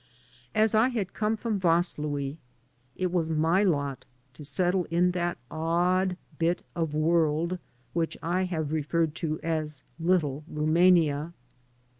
As I had come from Vaslui, it was my lot to settle in that odd bit of world which I have referred to as Little Rumania.